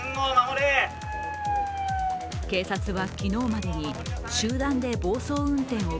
警察は昨日までに集団で暴走運転を